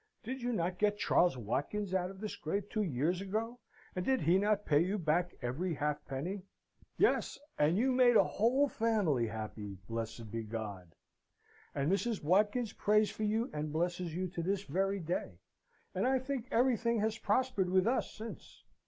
Did you not get Charles Watkins out of the scrape two years ago; and did he not pay you back every halfpenny? Yes; and you made a whole family happy, blessed be God! and Mrs. Watkins prays for you and blesses you to this very day, and I think everything has prospered with us since.